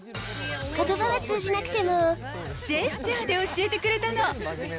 ことばは通じなくても、ジェスチャーで教えてくれたの。